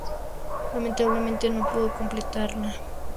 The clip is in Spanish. Lamentablemente no pudo completarla.